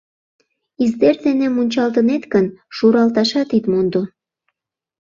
Издер дене мунчалтынет гын, шуралташат ит мондо!